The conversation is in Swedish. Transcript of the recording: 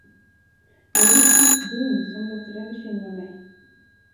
Jag är riktigt dum, som låter det bekymra mig.